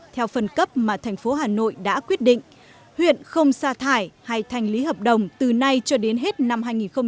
theo phần cấp mà thành phố hà nội đã quyết định huyện không xa thải hay thành lý hợp đồng từ nay cho đến hết năm hai nghìn một mươi chín